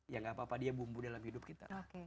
ya gak apa apa dia bumbu dalam hidup kita